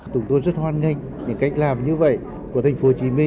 tổng thống rất hoan nghênh những cách làm như vậy của tp hcm